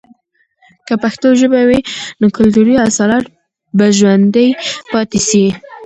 که پښتو ژبه وي، نو کلتوری اصالت به ژوندۍ پاتې سي.